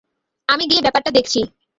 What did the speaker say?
আমি গিয়ে ব্যাপারটা দেখছি।